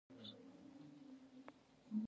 نوموړې ټولنه په خپلو لاسته راوړنو ویاړي.